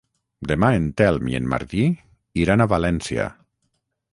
Demà en Telm i en Martí iran a València.